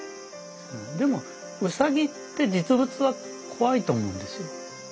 でもウサギって実物は怖いと思うんですよ。